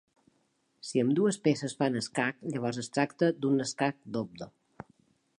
Si ambdues peces fan escac, llavors es tracta d'un escac doble.